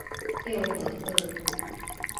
六合二路